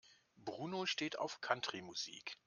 Bruno steht auf Country-Musik.